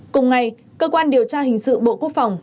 cùng ngày cơ quan điều tra hình sự bộ quốc phòng